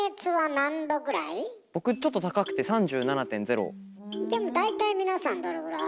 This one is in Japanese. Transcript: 僕ちょっと高くてでも大体皆さんどれぐらい？